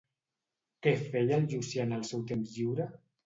Què feia el Llucià en el seu temps lliure?